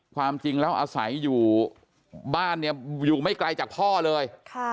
ความจริงแล้วอาศัยอยู่บ้านเนี่ยอยู่ไม่ไกลจากพ่อเลย